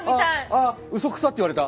あああ「ウソくさ」って言われた。